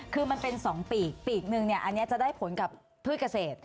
คือมันเป็น๒ปีปีกนึงอันนี้จะได้ผลกับพืชเกษตร